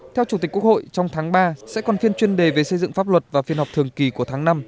theo chủ tịch quốc hội trong tháng ba sẽ còn phiên chuyên đề về xây dựng pháp luật và phiên họp thường kỳ của tháng năm